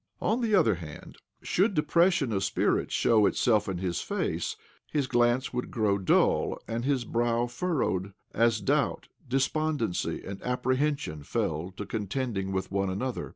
On the other hand, should depression of spirits show itself in his face, his glance would' grow dull, and his brow furrowed, as doubt, despon dency, and apprehension fell to contending with one another.